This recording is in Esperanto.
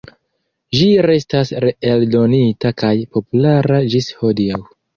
Ĝi restas reeldonita kaj populara ĝis hodiaŭ.